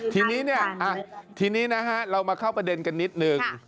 ทีนี้เนี่ยทีนี้นะฮะเรามาเข้าประเด็นกันนิดนึง